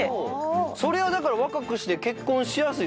それはだから若くして結婚しやすいですよね。